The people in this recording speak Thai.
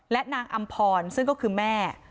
และนางอำพรซึ่งก็คือแม่